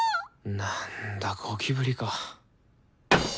なんだゴキブリか。